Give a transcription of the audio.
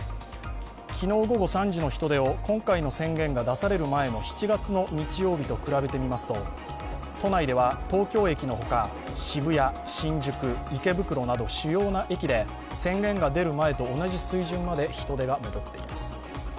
昨日午後３時の人出を今回の宣言が出される前の７月の日曜日と比べてみますと都内では東京駅のほか渋谷、新宿、池袋など主要な駅で宣言が出る前と同じ水準まで人出が戻っています。